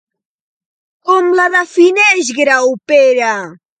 Com la defineix Graupera?